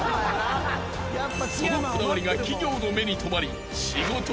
［そのこだわりが企業の目に留まり仕事は急増。